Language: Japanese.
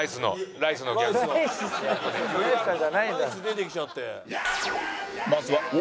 ライス出てきちゃって。